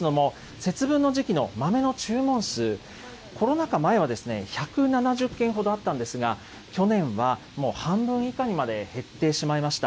と言いますのも、節分の時期の豆の注文数、コロナ禍前は１７０軒ほどあったんですが、去年はもう半分以下にまで減ってしまいました。